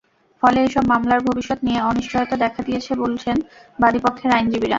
ফলে এসব মামলার ভবিষ্যত নিয়ে অনিশ্চয়তা দেখা দিয়েছে বলছেন বাদীপক্ষের আইনজীবীরা।